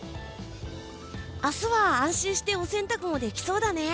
明日は安心してお洗濯もできそうだね。